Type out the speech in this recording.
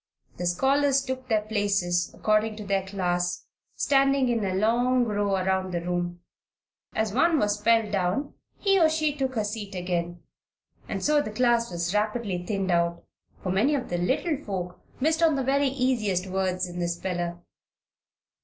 The scholars took their places according to their class standing in a long row around the room. As one was spelled down he or she took a seat again, and so the class was rapidly thinned out, for many of the little folk missed on the very easiest words in the speller.